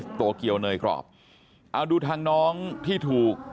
ไม่ได้แค้นอะไรในใจไม่ได้มีปัญหาอะไรในใจ